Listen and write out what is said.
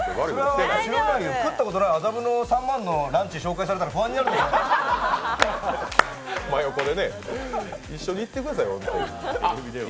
食ったことのない麻布の３万のランチ紹介されたら真横でね、一緒に行ってください。